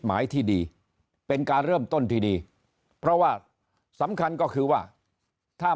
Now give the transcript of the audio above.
หมายที่ดีเป็นการเริ่มต้นที่ดีเพราะว่าสำคัญก็คือว่าถ้า